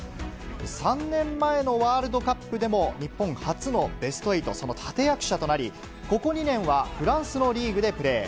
３年前のワールドカップでも日本初のベスト８、その立て役者となり、ここ２年はフランスのリーグでプレー。